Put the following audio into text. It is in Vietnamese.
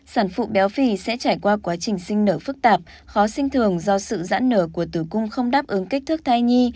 sản phụ béo phì sẽ trải qua quá trình sinh nở phức tạp khó sinh thường do sự giãn nở của tử cung không đáp ứng kích thước thai nhi